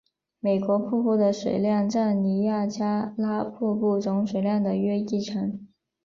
美国瀑布的水量占尼亚加拉瀑布总水量的约一成。